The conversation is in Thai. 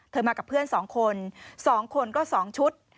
เธอมากับเพื่อนสองคนสองคนก็สองชุด